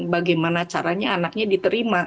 bagaimana caranya anaknya diterima